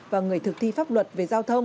và người thực thi pháp luật về giao thông